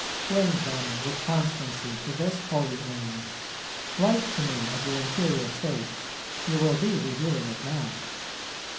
Cling then with constancy to this holy aim. Write to me of your interior state: you will be reviewing it now.